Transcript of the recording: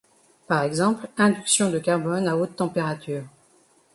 Par exemple, induction de carbone à haute température.